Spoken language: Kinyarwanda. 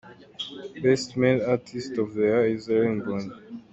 Best Male artist of the year: Israel Mbonyi .